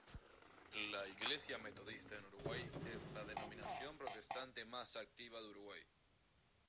La iglesia Metodista en Uruguay es la denominación protestante más activa de Uruguay.